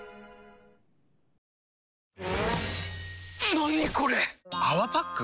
何これ⁉「泡パック」？